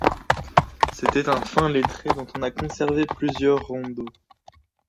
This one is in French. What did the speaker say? C'était un fin lettré, dont on a conservé plusieurs rondeaux.